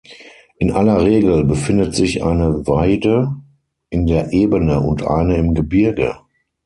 In aller Regel befindet sich eine Weide in der Ebene und eine im Gebirge.